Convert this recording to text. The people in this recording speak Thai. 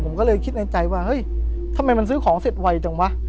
ผมก็เลยคิดในใจว่าเฮ้ยทำไมมันซื้อของเสร็จไวจังวะ